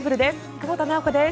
久保田直子です。